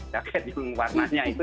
jaket yang warnanya itu